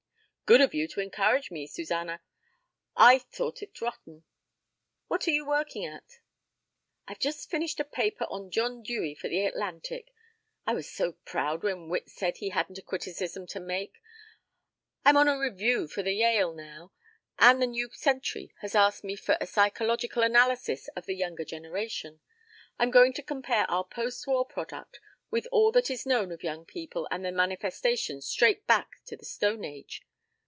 "Good of you to encourage me, Suzanna. I'd thought it rotten. What are you working at?" "I've just finished a paper on John Dewey for the Atlantic. I was so proud when Witt said he hadn't a criticism to make. I'm on a review for the Yale now; and the new Century has asked me for a psychological analysis of the Younger Generation. I'm going to compare our post war product with all that is known of young people and their manifestations straight back to the Stone Age.